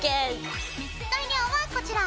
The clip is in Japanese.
材料はこちら！